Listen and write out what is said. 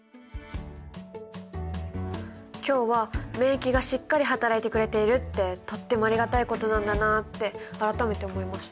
今日は免疫がしっかりはたらいてくれているってとってもありがたいことなんだなってあらためて思いました。